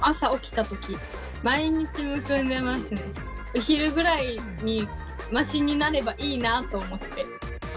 お昼ぐらいにマシになればいいなと思って。